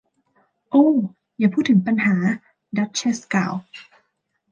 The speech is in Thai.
โอ้ อย่าพูดถึงปัญหา ! ดัชเชสกล่าว